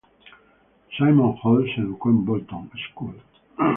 Simon Holt se educó en Bolton School.